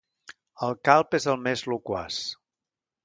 El calb és el més loquaç.